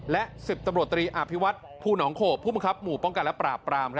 และ๑๐ตำรวจตรีอภิวัฒน์ภูหนองโขบผู้บังคับหมู่ป้องกันและปราบปราม